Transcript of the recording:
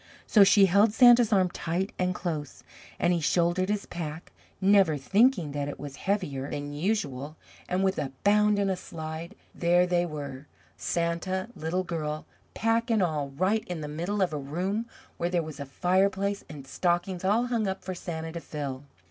So she held Santa's arm tight and close, and he shouldered his pack, never thinking that it was heavier than usual, and with a bound and a slide, there they were, Santa, Little Girl, pack and all, right in the middle of a room where there was a fireplace and stockings all hung up for Santa to fill.